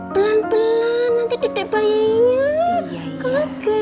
pelan pelan nanti dudek bayinya kaget